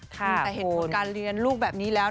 แต่เห็นผลการเรียนลูกแบบนี้แล้ว